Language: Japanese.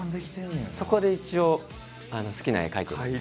そこで一応好きな絵描いてるんで。